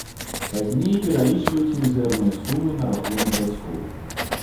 Пазней пералічваюць мізэрныя сумы на рахунак бацькоў.